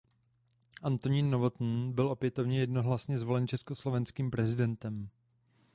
Antonín Novotný byl opětovně jednohlasně zvolen československým prezidentem.